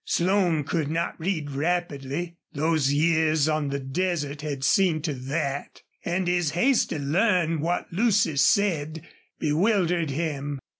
Slone could not read rapidly those years on the desert had seen to that and his haste to learn what Lucy said bewildered him.